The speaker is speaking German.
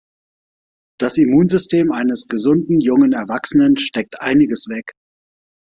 Das Immunsystem eines gesunden, jungen Erwachsenen steckt einiges weg.